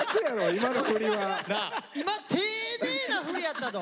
今丁寧なフリやったぞ！